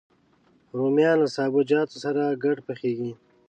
رومیان له سابهجاتو سره ګډ پخېږي